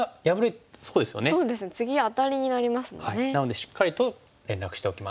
なのでしっかりと連絡しておきます。